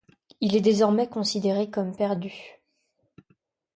Il est désormais considéré comme perdu.